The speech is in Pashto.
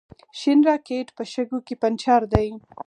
شین راکېټ په شګو کې پنجر دی.